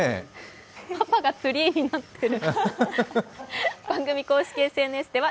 パパがツリーになってる。